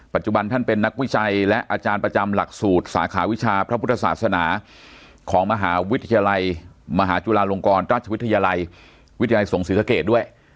ท่านเป็นนักวิจัยและอาจารย์ประจำหลักสูตรสาขาวิชาพระพุทธศาสนาของมหาวิทยาลัยมหาจุฬาลงกรราชวิทยาลัยวิทยาลัยส่งศรีสะเกดด้วย